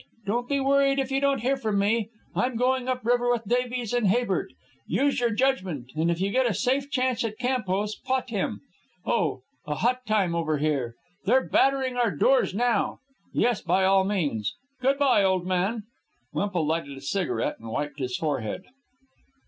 Don't be worried if you don't hear from me. I'm going up river with Davies and Habert.... Use your judgment, and if you get a safe chance at Campos, pot him.... Oh, a hot time over here. They're battering our doors now. Yes, by all means ... Good by, old man." Wemple lighted a cigarette and wiped his forehead.